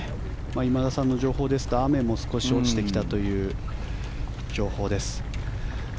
今田さんの情報ですと雨も少し落ちてきたという情報です。